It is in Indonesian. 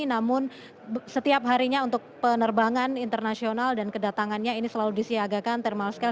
namun setiap harinya untuk penerbangan internasional dan kedatangannya ini selalu disiagakan thermal scale